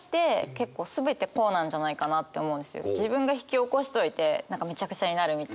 自分が引き起こしといて何かめちゃくちゃになるみたいな。